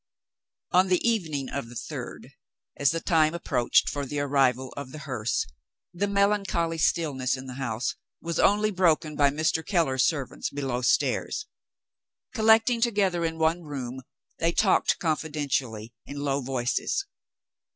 On the evening of the third, as the time approached for the arrival of the hearse, the melancholy stillness in the house was only broken by Mr. Keller's servants, below stairs. Collecting together in one room, they talked confidentially, in low voices.